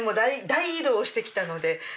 大移動をしてきたので。